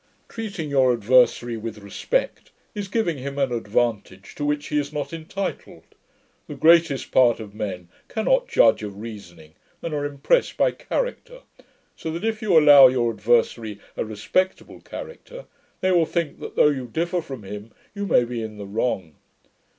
Treating your adversary with respect, is giving him an advantage to which he is not entitled. The greatest part of men cannot judge of reasoning, and are impressed by character; so that, if you allow your adversary a respectable character, they will think, that though you differ from him, you may be in the wrong.